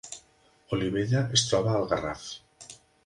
Olivella es troba al Garraf